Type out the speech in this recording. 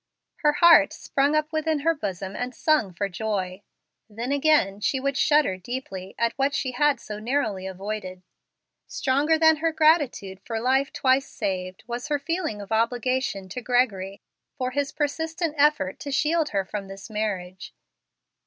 Her heart sprung up within her bosom and sung for joy. Then again she would shudder deeply at what she had so narrowly avoided. Stronger than her gratitude for life twice saved was her feeling of obligation to Gregory for his persistent effort to shield her from this marriage.